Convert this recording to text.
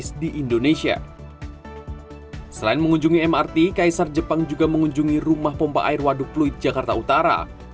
selain mengunjungi mrt kaisar jepang juga mengunjungi rumah pompa air waduk pluit jakarta utara